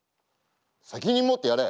責任持ってやれ！